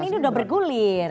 tapi kan ini sudah bergulir